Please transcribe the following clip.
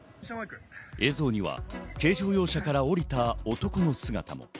映像には軽乗用車から降りた男の姿も。